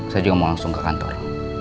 saya juga mau langsung ke kantor